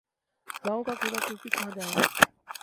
گاؤں کا کوڑا کرکٹ کہاں جائے گا۔